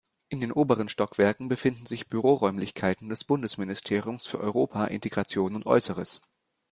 In den oberen Stockwerken befinden sich Büroräumlichkeiten des Bundesministeriums für Europa, Integration und Äußeres.